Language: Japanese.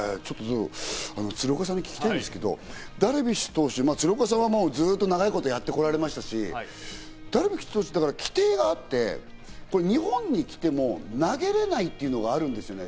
鶴岡さんに聞きたいんですけどダルビッシュ投手、鶴岡さんはずっと長いことやってこられましたし、ダルビッシュ投手、規定があって、日本に来ても投げられないというのがあるんですよね。